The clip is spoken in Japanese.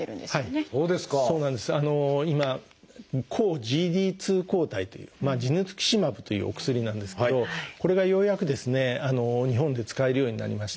今「抗ＧＤ２抗体」という「ジヌツキシマブ」というお薬なんですけどこれがようやく日本で使えるようになりました。